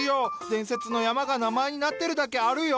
伝説の山が名前になってるだけあるよ。